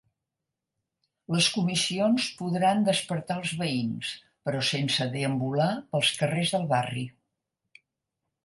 Les comissions podran despertar els veïns, però sense deambular pels carrers del barri.